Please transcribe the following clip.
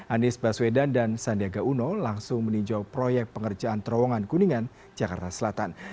anies baswedan dan sandiaga uno langsung meninjau proyek pengerjaan terowongan kuningan jakarta selatan